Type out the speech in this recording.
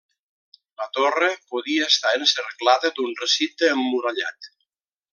La torre podia estar encerclada d'un recinte emmurallat.